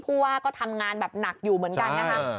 ผู้ว่าก็ทำงานแบบหนักอยู่เหมือนกันนะคะ